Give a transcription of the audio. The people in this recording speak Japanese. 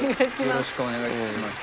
よろしくお願いします。